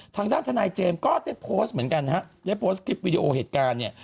ทางด้านทนายเจมส์ก็ได้โพสต์เหมือนกันฮะได้โพสต์คลิปวิดีโอเหตุการณ์เนี่ย